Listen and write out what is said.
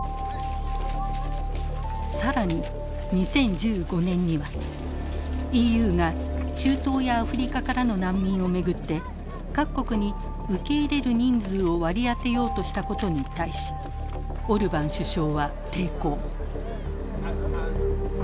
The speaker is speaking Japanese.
更に２０１５年にはＥＵが中東やアフリカからの難民を巡って各国に受け入れる人数を割り当てようとしたことに対しオルバン首相は抵抗。